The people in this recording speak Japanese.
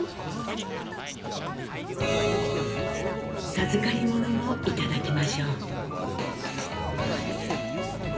授かり物もいただきましょう。